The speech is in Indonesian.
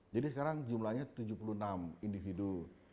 jadi sekarang jumlahnya tujuh puluh enam individu